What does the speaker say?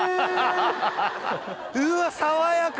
うわ爽やか。